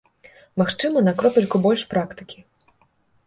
Магчыма, на кропельку больш практыкі.